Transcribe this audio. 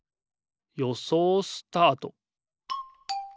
よそうスタート！